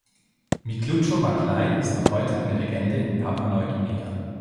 Miklucho-Maklai ist noch heute eine Legende in Papua-Neuguinea.